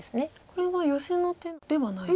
これはヨセの手ではない。